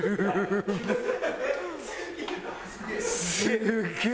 すげえ！